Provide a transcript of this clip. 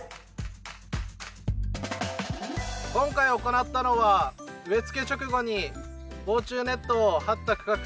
今回行ったのは植えつけ直後に防虫ネットを張った区画と。